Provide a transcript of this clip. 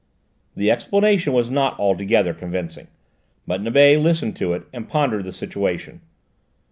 The explanation was not altogether convincing, but Nibet listened to it and pondered the situation.